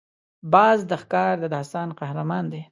باز د ښکار د داستان قهرمان دی